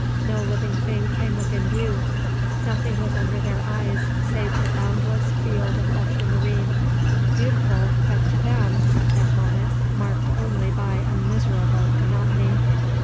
No living thing came within view. Nothing was under their eyes save the boundless field of ultramarine, beautiful, but to them, at that moment, marked only by a miserable monotony.